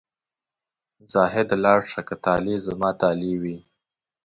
زاهده لاړ شه که طالع زما طالع وي.